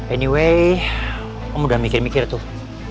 anyway kamu udah mikir mikir tuh